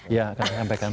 iya akan disampaikan